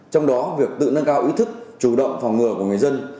trong đó việc tự nâng cao ý thức chủ động phòng ngừa của người dân